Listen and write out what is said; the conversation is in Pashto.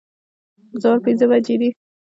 سهار پنځه بجې دي